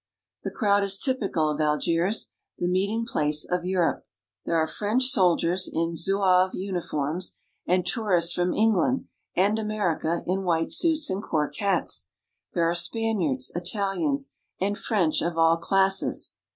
The »wd is typical of Algiers, the meeting place of Europe j 44 AFRICA and Africa. There are French soldiers in Zouave uni forms, and tourists from England and America in white suits and cork hats. There are Spaniards, Italians, and French of all classes.